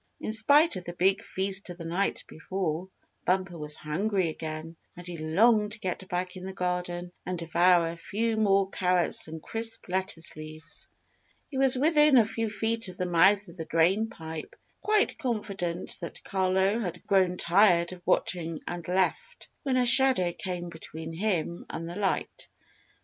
In spite of the big feast of the night before, Bumper was hungry again, and he longed to get back in the garden and devour a few more carrots and crisp lettuce leaves. He was within a few feet of the mouth of the drain pipe, quite confident that Carlo had grown tired of watching and left, when a shadow came between him and the light.